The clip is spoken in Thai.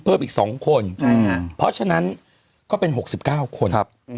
เพิ่มอีก๒คนเพราะฉะนั้นก็เป็น๖๙คน